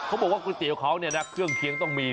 เขาบอกว่าขุนเตี๋ยวเขาเครื่องเคียงต้องมี